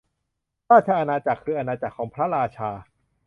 ราชอาณาจักร คืออาณาจักรของพระราชา